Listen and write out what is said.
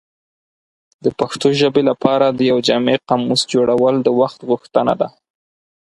د پښتو ژبې لپاره د یو جامع قاموس جوړول د وخت غوښتنه ده.